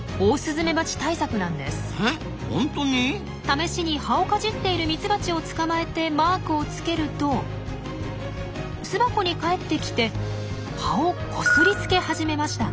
試しに葉をかじっているミツバチを捕まえてマークを付けると巣箱に帰ってきて葉をこすりつけ始めました。